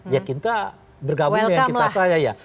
ya kita bergabung dengan kita saya ya